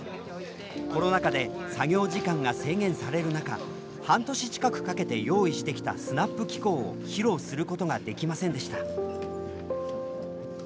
コロナ禍で作業時間が制限される中半年近くかけて用意してきたスナップ機構を披露することができませんでした。